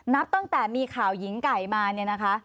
นับตั้งแต่มีข่าวหญิงไก่มาเนี่ยนะคะ